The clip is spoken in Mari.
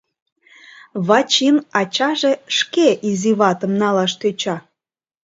Вачин ачаже шке изиватым налаш тӧча...